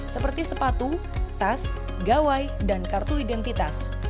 seperti sepatu tas gawai dan kartu identitas